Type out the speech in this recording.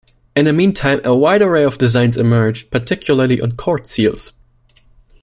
In the meantime, a wide array of designs emerged, particularly on court seals.